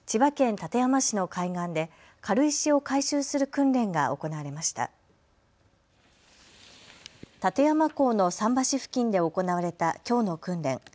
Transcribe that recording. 館山港の桟橋付近で行われたきょうの訓練。